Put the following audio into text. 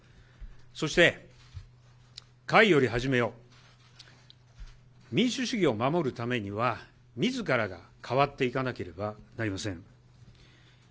そしてかいより始めよ、民主主義を守るためには、みずからが変わっていかなければなりません。